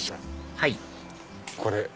はいこれ。